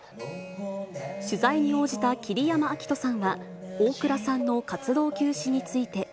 取材に応じた桐山照史さんは、大倉さんの活動休止について。